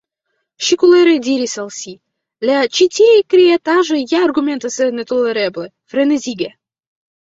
Ŝi kolere diris al si:— "La ĉitieaj kreitaĵoj ja argumentas netolereble, frenezige."